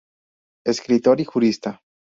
Escritor y jurista.